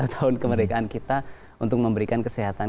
tujuh puluh dua tahun kemerdekaan kita untuk memberikan kesehatan